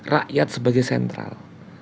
rakyat sebagai sentral